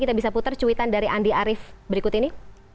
kita bisa putar cuitan dari andi arief berikut ini